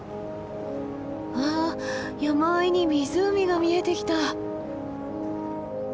あ山あいに湖が見えてきた！